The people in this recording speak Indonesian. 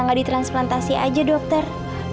gak ditransplantasi aja dokter